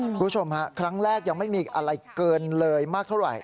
คุณผู้ชมฮะครั้งแรกยังไม่มีอะไรเกินเลยมากเท่าไหร่